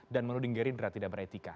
dan menuding gerindra tidak beretika